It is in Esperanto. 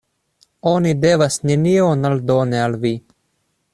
Oni devas nenion aldoni al vi.